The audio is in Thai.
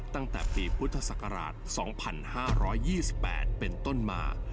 ตั้งแต่ปีพุทธศักราช๒๕๒๘เป็นต้นมา